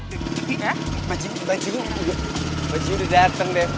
tapi baju baju udah dateng devi